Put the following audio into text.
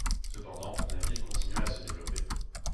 Cependant, la ville continua à se développer.